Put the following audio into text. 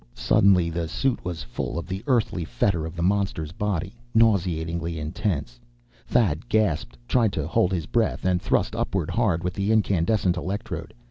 Suddenly the suit was full of the earthy fetor of the monster's body, nauseatingly intense. Thad gasped, tried to hold his breath, and thrust upward hard with the incandescent electrode.